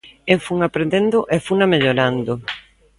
Eu fun aprendendo e funa mellorando.